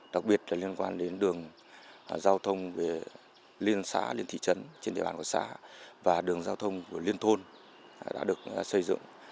đặc biệt là liên quan đến đường giao thông về liên xã liên thị trấn trên địa bàn của xã và đường giao thông của liên thôn đã được xây dựng